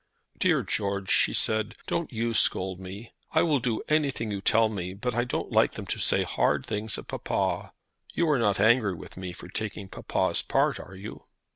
"Dear George," she said, "don't you scold me. I will do anything you tell me, but I don't like them to say hard things of papa. You are not angry with me for taking papa's part, are you?"